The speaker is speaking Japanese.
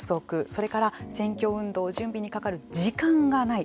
それから、選挙運動準備にかかる時間がない。